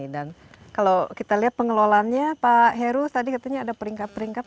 dan kalau kita lihat pengelolannya pak heru tadi katanya ada peringkat peringkatnya